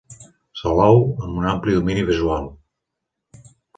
Salou, amb un ampli domini visual.